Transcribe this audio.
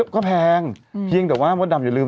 ก็แพงเพียงแต่ว่ามดดำอย่าลืม